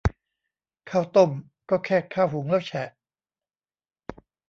ข้าวต้ม ก็แค่ข้าวหุงแล้วแฉะ